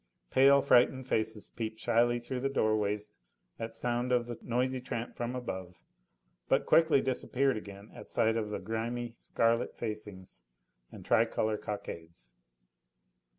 Pale, frightened faces peeped shyly through the doorways at sound of the noisy tramp from above, but quickly disappeared again at sight of the grimy scarlet facings and tricolour cockades.